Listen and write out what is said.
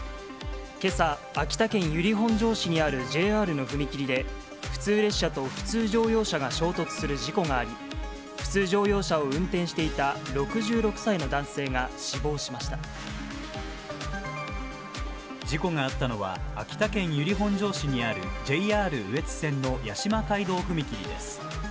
けさ、秋田県由利本荘市にあるＪＲの踏切で、普通列車と普通乗用車が衝突する事故があり、普通乗用車を運転していた６６歳の男性が死亡事故があったのは、秋田県由利本荘市にあるＪＲ羽越線の矢島街道踏切です。